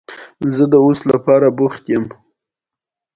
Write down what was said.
مخ پر بغلان روان شولو.